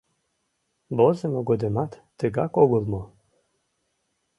Возымо годымат тыгак огыл мо?